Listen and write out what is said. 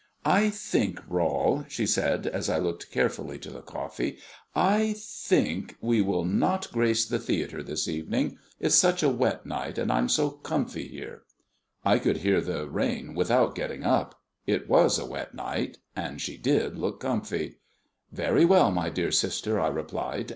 "I think, Rol," she said, as I looked carefully to the coffee, "I think we will not grace the theatre this evening. It's such a wet night, and I'm so comfy here." I could hear the rain without getting up. It was a wet night; and she did look comfy. "Very well, my dear sister," I replied.